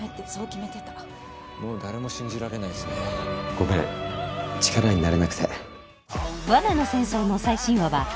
ごめん力になれなくて。